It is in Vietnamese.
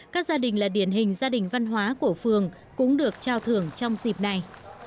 các gia đình là điển hình gia đình văn hóa của phường cũng được trao thưởng trong dịp này